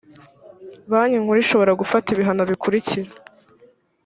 banki nkuru ishobora gufata ibihano bikurikira